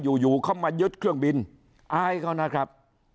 อยู่อยู่เขามายึดเครื่องบินอายเขานะครับ